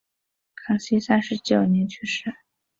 康熙三十九年去世。